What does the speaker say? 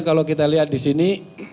kalau kita lihat disini